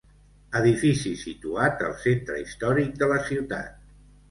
Edifici situat al centre històric de la ciutat.